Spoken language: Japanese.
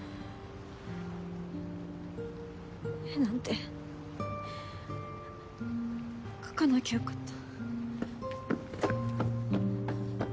絵なんて描かなきゃよかった。